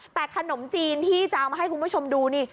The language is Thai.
แต่ขนมจีนที่จะเอามาให้คุณผู้ชมดูนี่